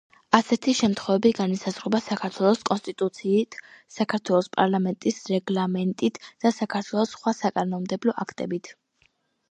ასეთი შემთხვევები განისაზღვრება საქართველოს კონსტიტუციით, საქართველოს პარლამენტის რეგლამენტით და საქართველოს სხვა საკანონმდებლო აქტებით.